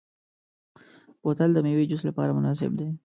بوتل د میوې جوس لپاره مناسب دی.